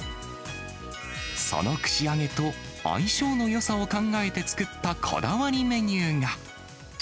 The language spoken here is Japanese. その串揚げと相性のよさを考えて作ったこだわりメニューが。